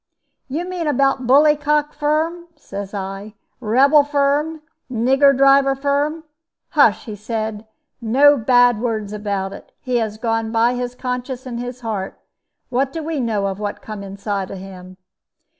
'You mean about bully cock Firm,' says I; 'rebel Firm nigger driver Firm.' 'Hush!' he said; 'no bad words about it. He has gone by his conscience and his heart. What do we know of what come inside of him?'